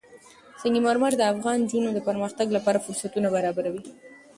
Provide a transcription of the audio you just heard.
سنگ مرمر د افغان نجونو د پرمختګ لپاره فرصتونه برابروي.